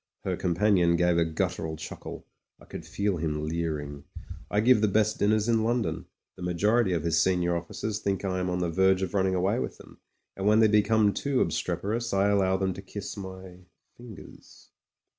Her companion gave a guttural chuckle; I could feel him leering. "I give the best dinners in \ 88 MEN, WOMEN AND GUNS London; the majority of his senior officers think I am on the verge of running away with them, and when they become too obstreperous, I allow them to kiss my — ^fingers.